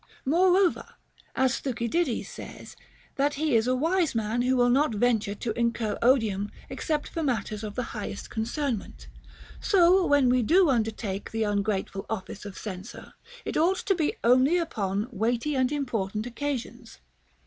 35. Moreover, as Thucydides f says that he is a wise man who will not venture to incur odium except for mat ters of the highest concernment, so, when we do undertake the ungrateful office of censor, it ought to be only upon weighty and important occasions.